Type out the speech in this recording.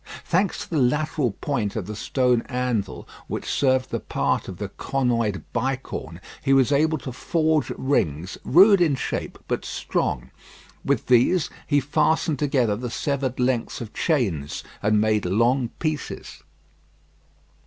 Thanks to the lateral point of the stone anvil, which served the part of the conoid bicorn, he was able to forge rings rude in shape but strong. With these he fastened together the severed lengths of chains, and made long pieces.